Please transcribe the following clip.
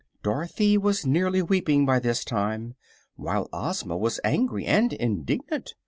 Dorothy was nearly weeping, by this time, while Ozma was angry and indignant.